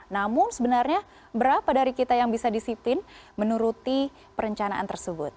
namun sebenarnya berapa dari kita yang bisa disipin menuruti perencanaan tersebut